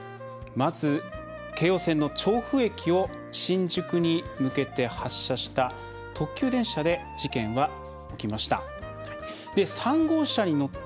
まず、京王線の調布駅を新宿に向けて発車した特急電車で事件は起きました。